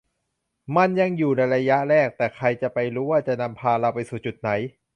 มันยังอยู่ในระยะแรก แต่ใครจะไปรู้ว่าจะนำพาเราไปสู่จุดไหน